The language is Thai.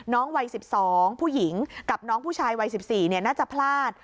วัย๑๒ผู้หญิงกับน้องผู้ชายวัย๑๔น่าจะพลาด